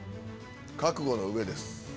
覚悟の上です。